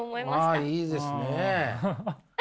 ああいいですね。